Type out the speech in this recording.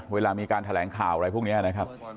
เวลามีการแถลงข่าวอะไรพวกนี้นะครับ